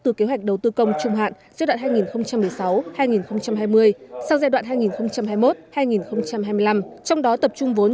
từ kế hoạch đầu tư công trung hạn giai đoạn hai nghìn một mươi sáu hai nghìn hai mươi sang giai đoạn hai nghìn hai mươi một hai nghìn hai mươi năm trong đó tập trung vốn